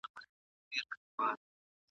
په نړۍ کښي د دولتو شکلونه شپږ دي.